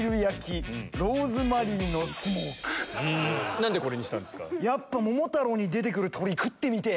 何でこれにしたんですか？